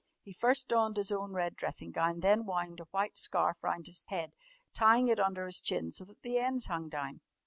He first donned his own red dressing gown and then wound a white scarf round his head, tying it under his chin so that the ends hung down.